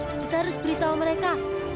kita harus beritahu mereka